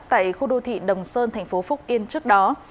tại khu đô thị đồng sơn thành phố phúc yên trước đó